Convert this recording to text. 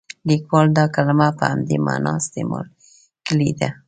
لیکوال دا کلمه په همدې معنا استعمال کړې ده.